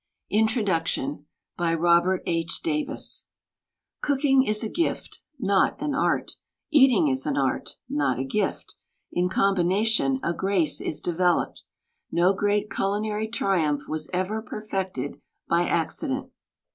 [vii] INTRODUCTION By Robert H; DAviS Gookiflg is a gift, riot an art. Eating is an art, not d gift; In Combination a grace is developed. Nd great ciilinary triiinlph was ever perfected by accident.